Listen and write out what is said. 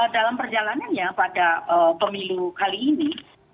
dalam perjalanannya pada pemilu kali ini